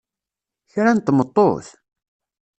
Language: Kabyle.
Kra n tmeṭṭut!